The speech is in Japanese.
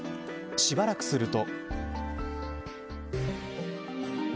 しばらくすると。